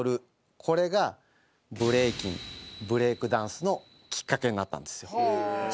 これがブレイキンブレイクダンスのきっかけになったんですよ。